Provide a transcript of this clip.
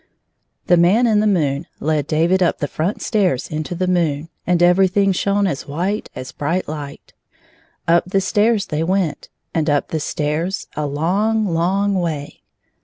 +5 The Man in the moon led David up the front stairs into the moon, and everything shone as white as bright light. Up the stairs they went, and up the stairs, a long, long way.